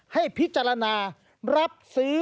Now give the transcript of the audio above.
ให้พิจารณารับซื้อ